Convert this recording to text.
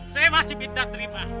saya masih minta terima